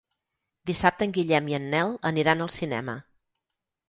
Dissabte en Guillem i en Nel aniran al cinema.